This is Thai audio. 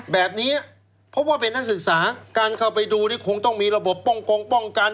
แบบนี้เพราะว่าเป็นนักศึกษาการเข้าไปดูนี่คงต้องมีระบบป้องกงป้องกัน